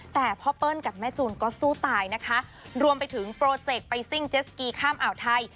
แต่พ่อเปิ้ลกับแม่จูนก็สู้ตายนะคะรวมไปถึงโปรเจกต์ไปซิ่งเจสกีข้ามอ่าวไทย